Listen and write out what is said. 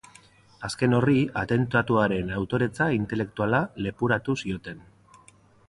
Azken horri, atentatuaren autoretza intelektuala leporatu zioten.